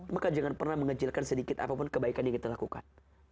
maka jangan pernah mengecilkan sedikit apapun kebaikan yang kita lakukan